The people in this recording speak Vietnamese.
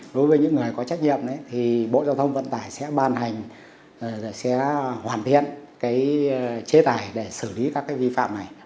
đối với những người có trách nhiệm thì bộ giao thông vận tải sẽ hoàn thiện chế tài để xử lý các vi phạm này